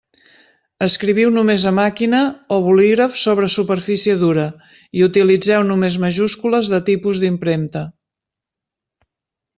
Escriviu només a màquina o bolígraf sobre superfície dura i utilitzeu només majúscules de tipus d'impremta.